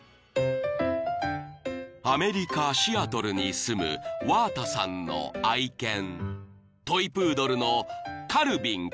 ［アメリカシアトルに住むワータさんの愛犬トイプードルの］